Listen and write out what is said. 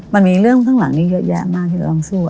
มันมีเรื่องข้างหลังนี้เยอะแยะมากที่เราต้องสู้